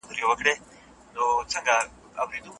دويمه موخه يې څه وه؟